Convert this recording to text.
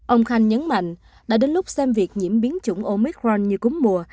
ông khanh nhấn mạnh đã đến lúc xem việc nhiễm biến chủng omicron như cúm mùa